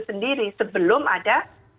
sendiri sebelum ada